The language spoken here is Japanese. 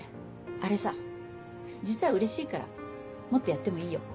あれさ実はうれしいからもっとやってもいいよ。